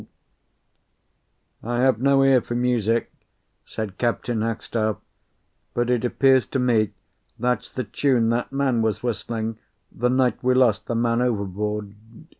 "I have no ear for music," said Captain Hackstaff, "but it appears to me that's the tune that man was whistling the night we lost the man overboard.